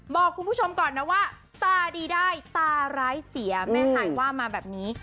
บอกคุณผู้ชมก่อนนะว่าตาดีได้ตาร้ายเสียแม่หายว่ามาแบบนี้